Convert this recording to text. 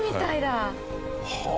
はあ！